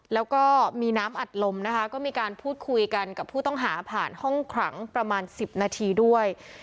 แล้วก็มีน้ำอัดลมนะคะก็มีการพูดคุยกันกับผู้ต้องหาผ่านห้องขังประมาณ๑๐นาทีด้วย